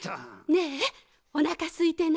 ねえおなかすいてない？